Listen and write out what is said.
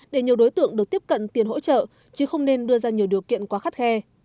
để nhiều đối tượng được tiếp cận tiền hỗ trợ chứ không nên đưa ra nhiều điều kiện quá khắt khe